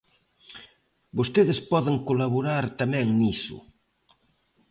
Vostedes poden colaborar tamén niso.